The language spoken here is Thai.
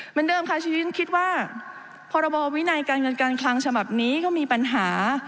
เหมือนเดิมค่ะชีวิตฉันคิดว่าพรบวินัยการเงินการคลังฉบับนี้ก็มีปัญหา